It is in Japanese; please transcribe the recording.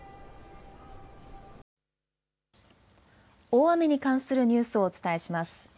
大雨に関するニュースをお伝えします。